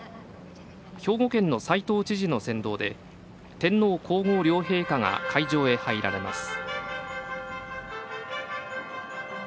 兵庫県の齋藤知事の先導で天皇皇后両陛下が会場へ入られます。